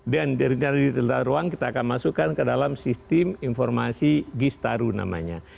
dan rencana detail tata ruang kita akan masukkan ke dalam sistem informasi gistaru namanya